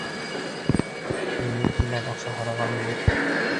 Минең һинән аҡса һорағаным юҡ!